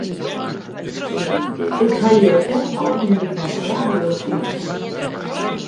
Ik ha hjir ek al ien fan de radio sjoen.